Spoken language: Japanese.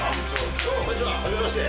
どうもこんにちは、はじめまして。